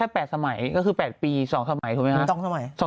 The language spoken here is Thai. แปดสมัยก็คือ๘ปี๒สมัยถูกไหมครับ